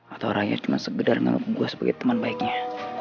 atau raya cuman segedar menganggap gue sebagai temen baiknya